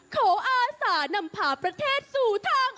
ขออาศานำผ่าประเทศสู่ทางออก